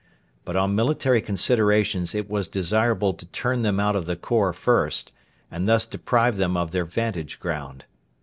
But on military considerations it was desirable to turn them out of the khor first and thus deprive them of their vantage ground.